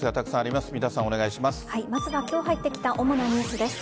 まずは今日入ってきた主なニュースです。